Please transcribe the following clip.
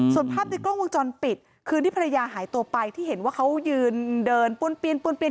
ส่วนภาพในกล้องวงจรปิดคืนที่ภรรยาหายตัวไปที่เห็นว่าเขายืนเดินป้วนเปลี่ยนป้วนเปลี่ยน